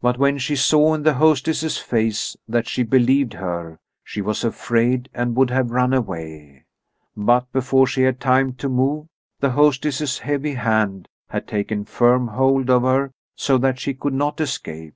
But when she saw in the hostess's face that she believed her, she was afraid and would have run away. But before she had time to move, the hostess's heavy hand had taken firm hold of her so that she could not escape.